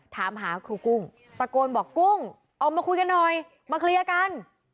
ถามหาครูกุ้งตะโกนบอกกุ้งออกมาคุยกันหน่อยมาเคลียร์กัน